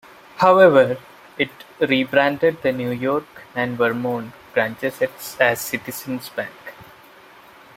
However, it re-branded the New York and Vermont branches as Citizens Bank.